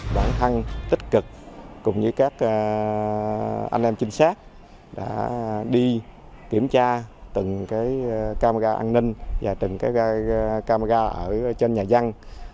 đoạn thăng tích cực cùng với các anh em trinh sát đã đi kiểm tra từng cái camera an ninh và từng cái camera ở trên nhà văn